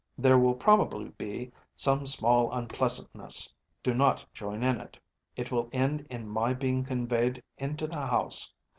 There will probably be some small unpleasantness. Do not join in it. It will end in my being conveyed into the house.